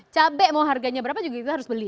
cabai mau harganya berapa juga kita harus beli